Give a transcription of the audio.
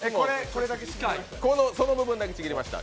その部分だけちぎりました。